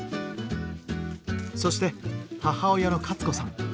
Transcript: そして母親のカツ子さん。